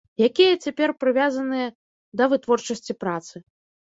Якія цяпер прывязаныя да вытворчасці працы.